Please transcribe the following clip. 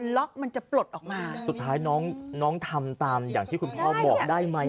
ล็อกมันจะปลดออกมาสุดท้ายน้องน้องทำตามอย่างที่คุณพ่อบอกได้ไหม